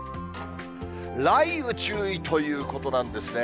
雷雨注意ということなんですね。